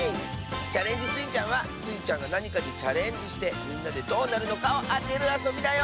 「チャレンジスイちゃん」はスイちゃんがなにかにチャレンジしてみんなでどうなるのかをあてるあそびだよ！